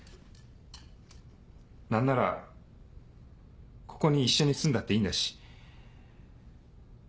何ならここに一緒に住んだっていいんだし。